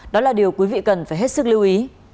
đó là điều quý vị cần phải hết sức lưu ý